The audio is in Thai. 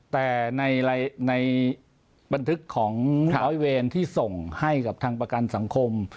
แต่ในบันทึกของร้อยเวรที่ส่งให้กับทางประกันสังคม